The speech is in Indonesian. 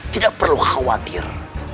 tidak perlu khawatir